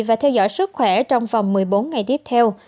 và theo dõi sức khỏe trong vòng một mươi bốn ngày tiếp theo